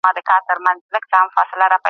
ژورنالیزم د فکرونو د بدلولو ځواک لري.